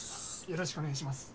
よろしくお願いします。